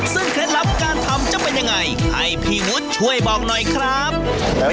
ซึ่งเคล็ดลับการทำจะเป็นยังไงให้พี่วุฒิช่วยบอกหน่อยครับ